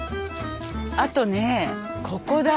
あとねここだ。